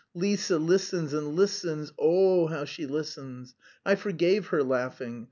Lise listens, and listens, ooh, how she listens! I forgave her laughing.